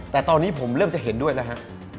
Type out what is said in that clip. แต่ตอนนี้ผมเริ่มจะเห็นด้วยแล้วฮะ